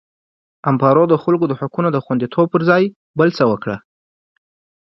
امپارو د خلکو د حقونو د خوندیتوب پر ځای بل څه وکړل.